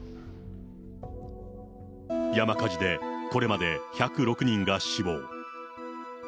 山火事で、これまで１０６人が死亡。